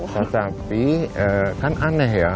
tetapi kan aneh ya